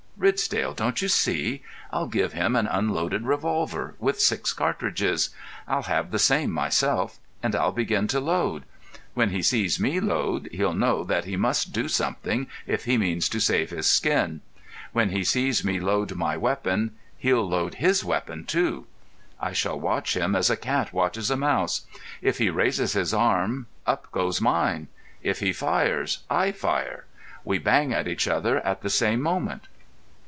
Ridsdale, don't you see? I'll give him an unloaded revolver, with six cartridges. I'll have the same myself—and I'll begin to load. When he sees me load he'll know that he must do something if he means to save his skin. When he sees me load my weapon, he'll load his weapon too. I shall watch him as a cat watches a mouse. If he raises his arm, up goes mine. If he fires, I fire. We bang at each other at the same moment."